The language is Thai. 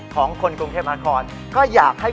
ของคนกรุงเทพมหันครก็อยากให้